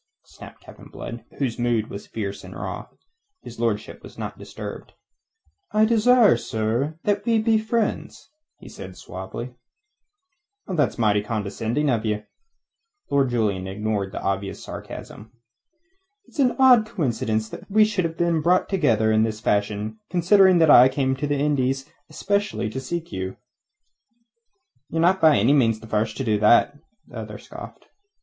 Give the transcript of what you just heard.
snapped Blood, whose mood was fierce and raw. His lordship was not disturbed. "I desire, sir, that we be friends," said he suavely. "That's mighty condescending of you!" Lord Julian ignored the obvious sarcasm. "It's an odd coincidence that we should have been brought together in this fashion, considering that I came out to the Indies especially to seek you." "Ye're not by any means the first to do that," the other scoffed.